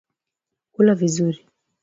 kula vizuri